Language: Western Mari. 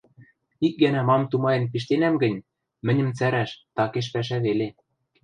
Ик гӓнӓ мам тумаен пиштенӓм гӹнь, мӹньӹм цӓрӓш — такеш пӓшӓ веле.